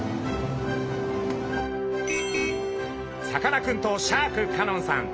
さかなクンとシャーク香音さん